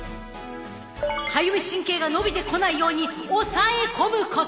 かゆみ神経が伸びてこないように抑え込むこと！